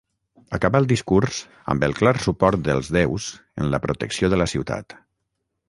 Acaba el discurs amb el clar suport dels déus en la protecció de la ciutat.